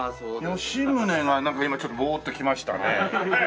吉宗がなんか今ちょっとぼうっと来ましたね。